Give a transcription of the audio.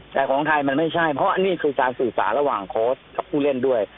แต่ของไทยมันไม่ใช่เพราะอันนี้คือการสื่อสารระหว่างโค้ชกับผู้เล่นด้วย